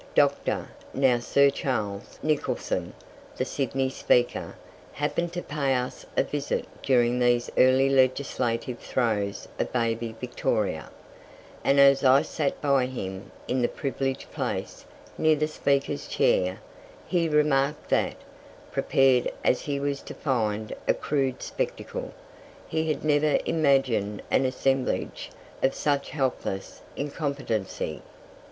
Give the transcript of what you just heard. Dr. (now Sir Charles) Nicholson, the Sydney Speaker, happened to pay us a visit during these early legislative throes of baby Victoria; and as I sat by him in the privileged place near the Speaker's chair, he remarked that, prepared as he was to find a crude spectacle, he had never imagined an assemblage of such helpless incompetency.